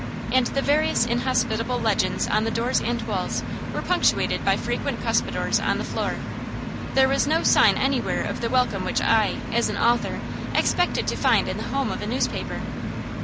And the various inhospitable legends on the doors and walls were punctuated by frequent cuspidors on the floor. There was no sign anywhere of the welcome which I, as an author, expected to find in the home of a newspaper.